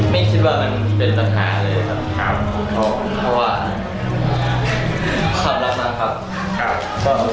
ไม่คิดว่านั้นเป็นจัดทานเลยครับเพราะว่าสำหรับมาครับครับ